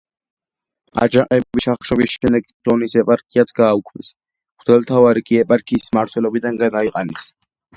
აჯანყების ჩახშობის შემდეგ ხონის ეპარქიაც გააუქმეს, მღვდელმთავარი კი ეპარქიის მმართველობიდან გადააყენეს.